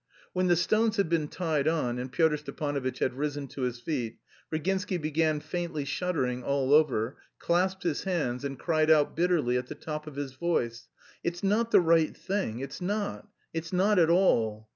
When the stones had been tied on and Pyotr Stepanovitch had risen to his feet, Virginsky began faintly shuddering all over, clasped his hands, and cried out bitterly at the top of his voice: "It's not the right thing, it's not, it's not at all!"